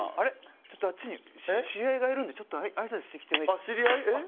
ちょっとあっちに知り合いがいるんであいさつしてきてもいいですか？